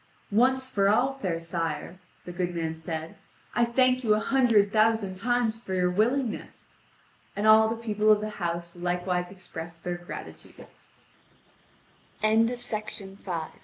"Once for all, fair sire," the good man said, "I thank you a hundred thousand times for your willingness." And all the people of the house likewise expressed their gratitude. (Vv.